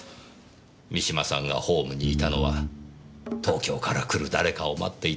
三島さんがホームにいたのは東京から来る誰かを待っていたんですよ。